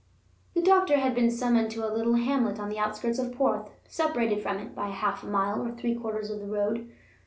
The doctor had been summoned to a little hamlet on the outskirts of Porth, separated from it by half a mile or three quarters of road.